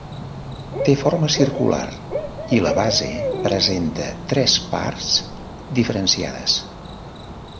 Té forma circular i la base presenta tres parts diferenciades.